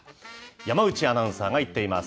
山内アナウンサーが行っています。